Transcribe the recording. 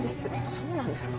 そうなんですか？